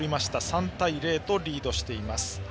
３対０とリードしています。